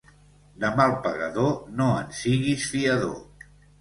De mal pagador no en siguis fiador.